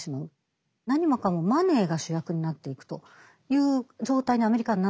何もかもマネーが主役になっていくという状態にアメリカはなっていった。